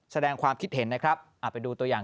แสดงความคิดเห็นนะครับไปดูตัวอย่าง